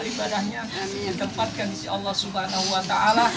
ditempatkan di allah swt